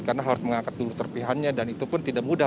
karena harus mengangkat dulu serpiannya dan itu pun tidak mudah